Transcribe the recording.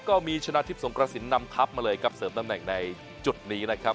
ก็มีชนะทิพย์สงกระสินนำทัพมาเลยครับเสริมตำแหน่งในจุดนี้นะครับ